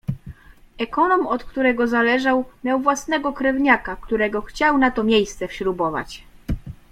"Ekonom, od którego zależał, miał własnego krewniaka, którego chciał na to miejsce wśrubować."